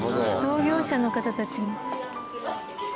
同業者の方たちも。